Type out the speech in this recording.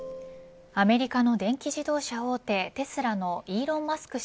アメリカの電気自動車大手テスラのイーロン・マスク